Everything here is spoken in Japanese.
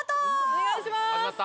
お願いします！